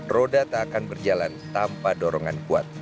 roda tak akan berjalan tanpa dorongan kuat